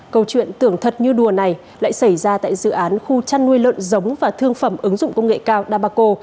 câu chuyện tưởng thật như đùa này lại xảy ra tại dự án khu chăn nuôi lợn giống và thương phẩm ứng dụng công nghệ cao dabaco